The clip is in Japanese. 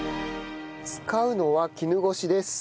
使うのは絹ごしです。